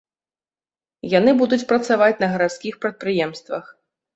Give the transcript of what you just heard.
Яны будуць працаваць на гарадскіх прадпрыемствах.